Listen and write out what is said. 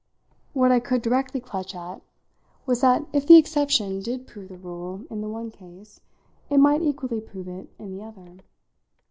What I could directly clutch at was that if the exception did prove the rule in the one case it might equally prove it in the other.